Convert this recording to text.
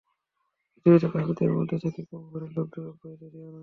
পৃথিবীতে কাফিরদের মধ্য থেকে কোন ঘরের লোককে অব্যাহতি দিও না।